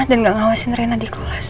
gak ngawasin rena di kelas